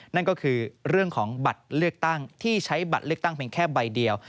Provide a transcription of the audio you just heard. นั่นก็คือเรื่องของบัตรเลือกตั้งที่ใช้บัตรเลือกตั้งเพียงแค่ใบเดียว